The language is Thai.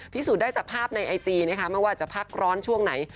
พิสูจน์ได้จากภาพในไอจีนะคะไม่ว่าจะพักร้อนช่วงไหน